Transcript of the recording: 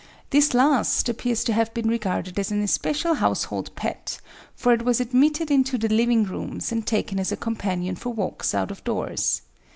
This last appears to have been regarded as an especial household pet, for it was admitted into the living rooms and taken as a companion for walks out of doors.